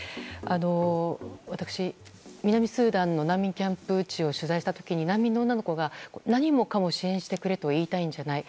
私、南スーダンの難民キャンプ地を取材した時に難民の女の子が何もかも支援してくれと言いたいんじゃない。